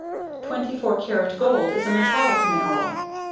Twenty four carat gold is a metallic mineral.